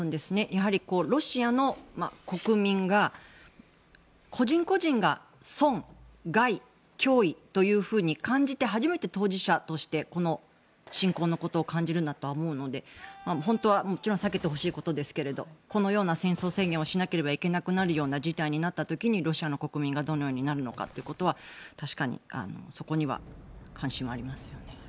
やはりロシアの国民個人個人が損、害、脅威と感じて初めて当事者として侵攻のことを感じるんだと思うので本当は避けてほしいことですがこのような戦争宣言をしなければいけなくなるような事態になった時にロシア国民がどうなるかというのは確かにそこには関心はありますよね。